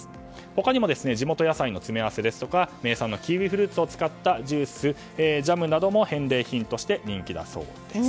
他にも地元野菜の詰め合わせや名産のキウイフルーツを使ったジュースやジャムなども返礼品として人気だそうです。